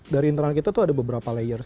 dari internal kita tuh ada beberapa layers